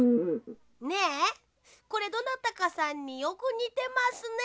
ねえこれどなたかさんによくにてますね。